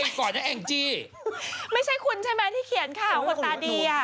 อย่างนี้ไม่ใช่คนใช่ไหมที่เขียนข่าวคนตาดี